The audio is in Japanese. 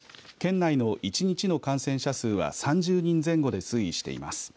この１週間県内の１日の感染者数は３０人前後で推移しています。